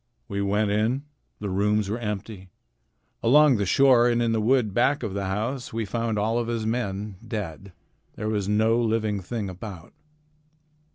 We went in. The rooms were empty. Along the shore and in the wood back of the house we found all of his men, dead. There was no living thing about."